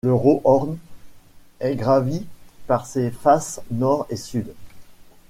Le Rauhhorn est gravi par ses faces nord et sud.